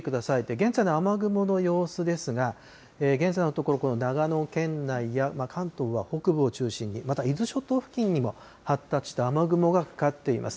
現在の雨雲の様子ですが、現在のところ、長野県内や、関東は北部を中心に、また伊豆諸島付近にも発達した雨雲がかかっています。